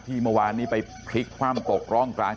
ที่เมื่อวานนี้ไปพลิกความโปรกร้องกันนะครับ